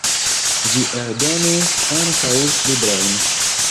Ĝi eldonis ankaŭ librojn.